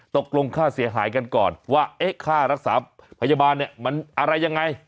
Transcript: ตกลงค่าเสียหายกันก่อนว่าเอ๊ะค่ารักษาพยาบาลเนี่ยมันอะไรยังไง